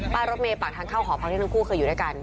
รถเมย์ปากทางเข้าหอพักที่ทั้งคู่เคยอยู่ด้วยกัน